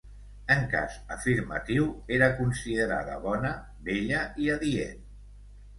En cas afirmatiu, era considerada bona, bella i adient.